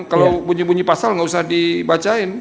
kalau bunyi bunyi pasal nggak usah dibacain